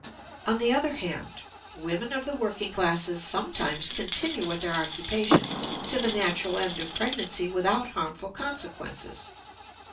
On the other hand, women of the working classes sometimes continue at their occupations to the natural end of pregnancy without harmful consequences.